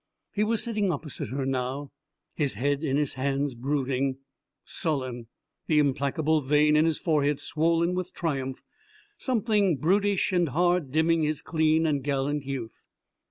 He was sitting opposite her now, his head in his hands, brooding, sullen, the implacable vein in his forehead swollen with triumph, something brutish and hard dimming his clean and gallant youth.